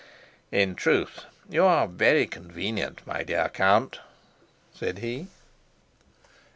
"In truth, you are very convenient, my dear Count," said he.